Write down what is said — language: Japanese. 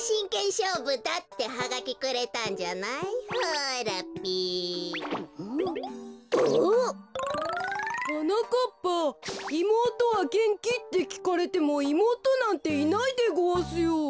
いもうとはげんき？」ってきかれてもいもうとなんていないでごわすよ。